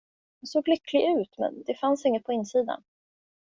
Jag såg lycklig ut, men det fanns inget på insidan.